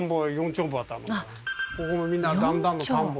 ここもみんな段々の田んぼ